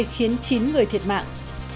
khiến chín người thiệt mạng